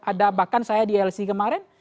ada bahkan saya di lc kemarin